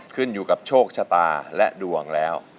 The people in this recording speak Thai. ขึ้นอยู่กับโชคชะตาและดวงแล้ว